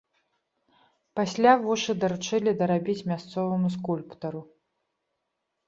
Пасля вушы даручылі дарабіць мясцоваму скульптару.